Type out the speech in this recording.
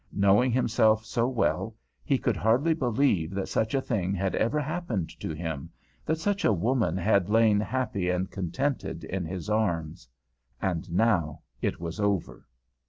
Knowing himself so well, he could hardly believe that such a thing had ever happened to him, that such a woman had lain happy and contented in his arms. And now it was over.